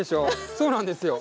そうなんですよ。